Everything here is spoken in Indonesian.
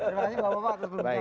terima kasih bapak bapak